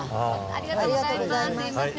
ありがとうございます。